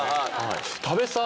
多部さん